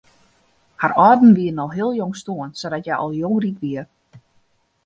Har âlden wiene al heel jong stoarn sadat hja al jong ryk wie.